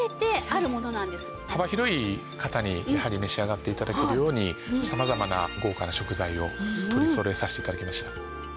幅広い方にやはり召し上がって頂けるように様々な豪華な食材を取りそろえさせて頂きました。